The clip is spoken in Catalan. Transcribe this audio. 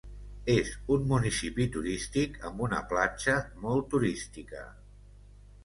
És un municipi turístic amb una platja molt turística.